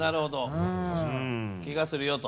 気がするよと。